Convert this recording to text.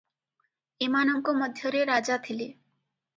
ଏମାନଙ୍କ ମଧ୍ୟରେ ରାଜା ଥିଲେ ।